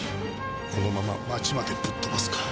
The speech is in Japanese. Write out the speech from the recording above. このまま町までぶっとばすか。